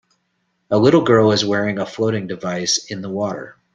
The little girl is wearing a floating device in the water.